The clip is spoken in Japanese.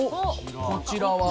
こちらは。